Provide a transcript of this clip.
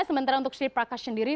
sementara untuk sri prakas sendiri